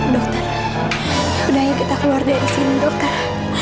dokter udah ya kita keluar dari sini dokter